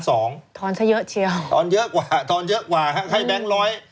ทอนซะเยอะเชียวทอนเยอะกว่าทอนเยอะกว่าฮะให้แบงค์ร้อย